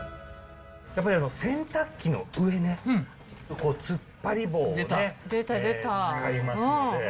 やっぱり洗濯機の上ね、つっぱり棒ね、使いますんで。